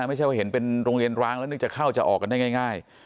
ไม่ใช่ว่าเห็นเป็นโรงเรียนร้างแล้วนึกจะเข้าจะออกกันได้ง่าย